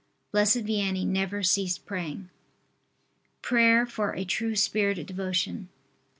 Blessed Vianney never ceased praying. PRAYER FOR A TRUE SPIRIT OF DEVOTION.